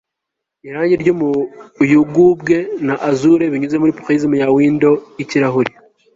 irangi ry'umuyugubwe na azure binyuze muri prism ya windows yikirahure